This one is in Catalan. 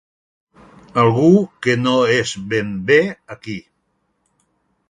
Algú que no és ben bé aquí.